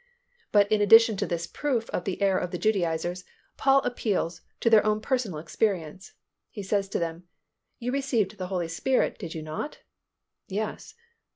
But in addition to this proof of the error of the Judaizers, Paul appeals to their own personal experience. He says to them, "You received the Holy Spirit, did you not?" "Yes."